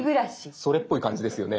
それっぽい感じですよね。